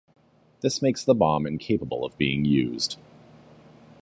This makes the bomb incapable of being used.